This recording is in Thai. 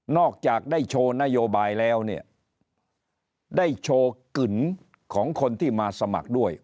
จากได้โชว์นโยบายแล้วเนี่ยได้โชว์กลิ่นของคนที่มาสมัครด้วย